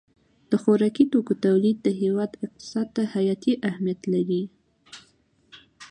د خوراکي توکو تولید د هېواد اقتصاد ته حیاتي اهمیت لري.